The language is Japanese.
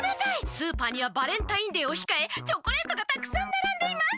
スーパーにはバレンタインデーをひかえチョコレートがたくさんならんでいます！」。